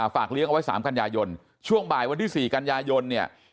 ฝากเลี้ยงเอาไว้๓กันยายนช่วงบ่ายวันที่๔กันยายนเนี่ย